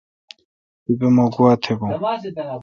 تیپہ مہ گوا تھ بھون۔